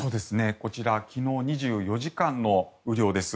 こちら昨日２４時間の雨量です。